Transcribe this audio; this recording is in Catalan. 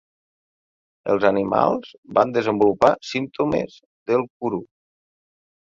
Els animals van desenvolupar símptomes del kuru.